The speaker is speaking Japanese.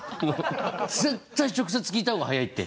絶対直接聞いた方が早いって！